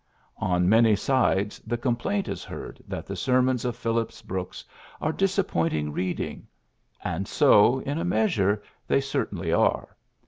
On many sides the complaint is heard that the sermons of Phillips Brooks are disappointing reading ; and so, in a measure, they certainly are.